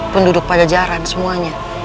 penduduk pajajaran semuanya